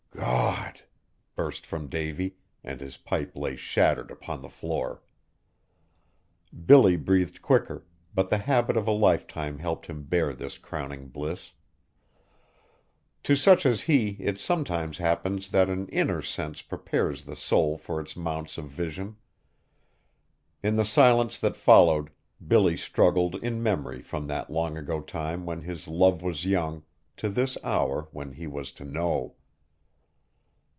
"Gawd!" burst from Davy, and his pipe lay shattered upon the floor. Billy breathed quicker, but the habit of a lifetime helped him bear this crowning bliss. To such as he it sometimes happens that an inner sense prepares the soul for its mounts of vision. In the silence that followed, Billy struggled in memory from that long ago time when his love was young, to this hour when he was to know!